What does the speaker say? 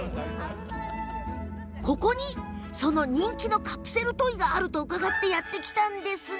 ここに、その人気のカプセルトイがあると伺ってやって来たのですが。